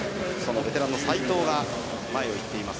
ベテランの齊藤が前を行っています。